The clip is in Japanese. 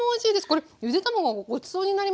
これゆで卵がごちそうになりますね。